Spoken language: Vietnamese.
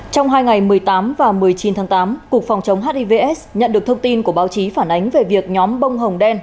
trong hai ngày một mươi tám và một mươi chín tháng tám cục phòng chống hivs nhận được thông tin của báo chí phản ánh về việc nhóm bông hồng đen